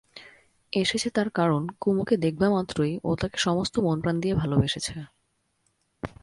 এসেছে তার কারণ, কুমুকে দেখবা মাত্রই ও তাকে সমস্ত মনপ্রাণ দিয়ে ভালোবেসেছে।